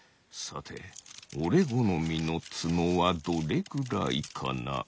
さておれごのみのつのはどれくらいかな？